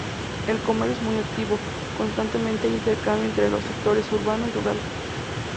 El comercio es muy activo, constantemente hay intercambio entre los sectores urbano y rural.